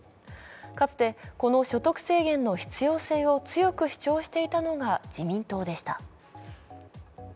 かつて、この所得制限の必要性を強く主張していたのが自民党でした。